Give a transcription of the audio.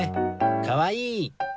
かわいい！